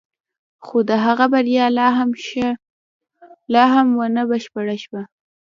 خو د هغه بریا لا هم نه وه بشپړه شوې